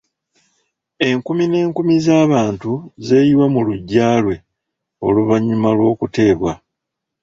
Enkumi n'enkumi z'abantu zeeyiwa mu luggya lwe oluvannyuma lw'okuteebwa.